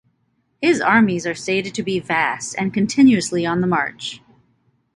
His armies are stated to be vast and continuously on the march.